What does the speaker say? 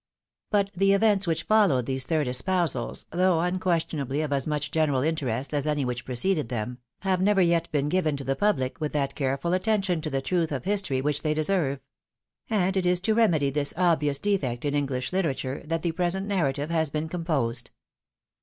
But the events which followed these third espousals, though unquestionably of as much general interest as any which preceded them, have never yet been given to the pubHc with that careful attention to the truth of history which they deserve ; and it is to remedy this obvious defect in English literature, that the present narrative has been composed.